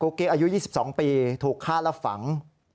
กุ๊กกิ๊กอายุ๒๒ปีถูกฆ่าละฝัง